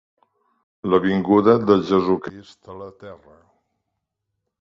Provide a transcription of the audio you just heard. La vinguda de Jesucrist a la terra.